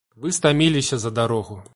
Вы стаміліся за дарогу.